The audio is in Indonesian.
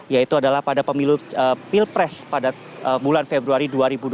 yaitu adalah pada pemilu pilpres pada bulan februari dua ribu dua puluh